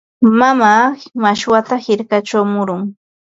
Mamaa mashwata hirkachaw murun.